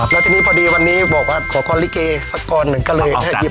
แล้วทีนี้พอดีวันนี้บอกว่าขอคอนลิเกสักก้อนหนึ่งก็เลยแค่ยิบ